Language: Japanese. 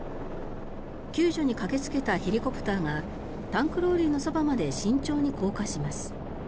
救助に駆けつけたヘリコプターがタンクローリーのそばまで慎重に降下します。